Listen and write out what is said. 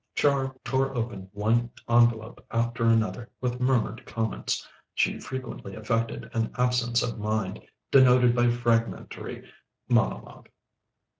Char tore open one envelope after another with murmured comments. She frequently affected an absence of mind denoted by fragmentary monologue.